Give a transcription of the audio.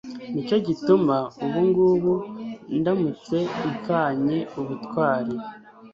ni cyo gituma ubu ngubu ndamutse mpfanye ubutwari